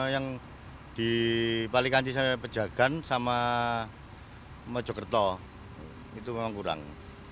yang di palikanci sampai pejagan sama mojokerto itu memang kurang